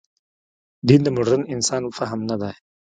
دین د مډرن انسان فهم نه دی.